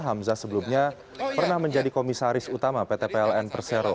hamzah sebelumnya pernah menjadi komisaris utama pt pln persero